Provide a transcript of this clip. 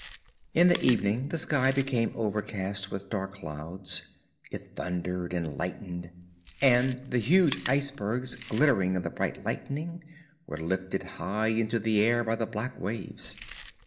In the evening the sky became overcast with dark clouds; it thundered and lightened, and the huge icebergs glittering in the bright lightning, were lifted high into the air by the black waves.